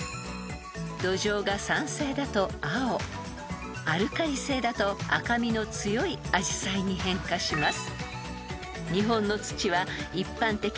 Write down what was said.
［土壌が酸性だと青アルカリ性だと赤みの強いアジサイに変化します］